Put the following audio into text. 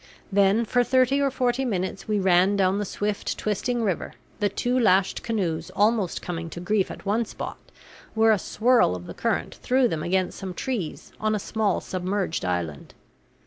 Then for thirty or forty minutes we ran down the swift, twisting river, the two lashed canoes almost coming to grief at one spot where a swirl of the current threw them against some trees on a small submerged island.